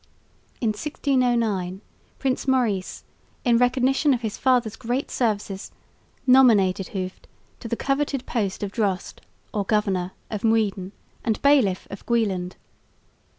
In 1609 Prince Maurice, in recognition of his father's great services, nominated Hooft to the coveted post of Drost, or Governor, of Muiden and bailiff of Gooiland.